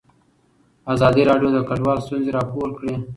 ازادي راډیو د کډوال ستونزې راپور کړي.